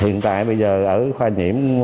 hiện tại bây giờ ở khoa nhiễm